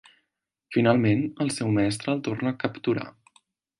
Finalment, el seu mestre el torna a capturar.